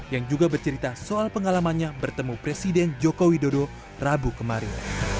yang juga bercerita soal pengalamannya bertemu presiden joko widodo rabu kemarin